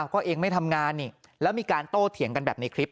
ก็เองไม่ทำงานนี่แล้วมีการโต้เถียงกันแบบในคลิป